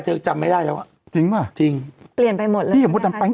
จำไม่ได้แล้วอ่ะจริงป่ะจริงเปลี่ยนไปหมดเลยพี่กับมดดำแป๊ง